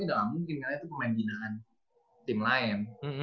ya udah gak mungkin karena itu pemain ginaan tim lain